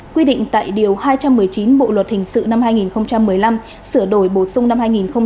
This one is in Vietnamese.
quy định tại điều hai trăm một mươi chín bộ luật hình sự năm hai nghìn một mươi năm sửa đổi bổ sung năm hai nghìn một mươi bảy